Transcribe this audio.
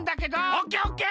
オッケーオッケー。